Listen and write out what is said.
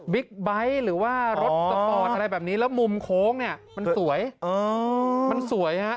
ไบท์หรือว่ารถสปอร์ตอะไรแบบนี้แล้วมุมโค้งเนี่ยมันสวยมันสวยฮะ